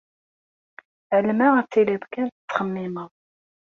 Ɛelmeɣ ad tiliḍ kan tettxemmimeḍ.